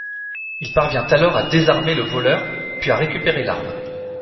Il parvient alors à désarmer le voleur puis à récupérer l'arme.